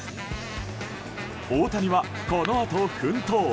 大谷は、このあと奮闘。